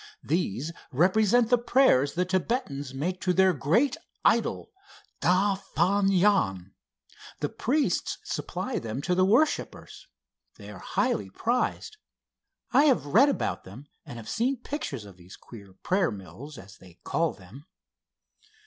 These represent the prayers the Thibetans make to their great idol, Da Fan Jan. The priests supply them to the worshippers. They are highly prized. I have read about them, and have seen pictures of these queer prayer mills, as they call them."